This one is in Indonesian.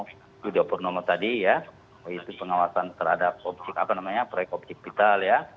studio purnomo tadi ya itu pengawasan terhadap objek apa namanya objek vital ya